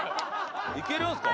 いけるんですか？